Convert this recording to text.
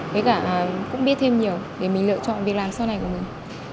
với cả cũng biết thêm nhiều để mình lựa chọn việc làm sau này của mình